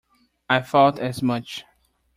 I thought as much.